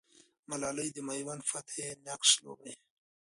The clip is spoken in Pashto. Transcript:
ملالۍ د مېوند د فتحې نقش لوبوي.